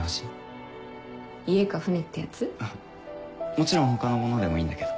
もちろん他のものでもいいんだけど。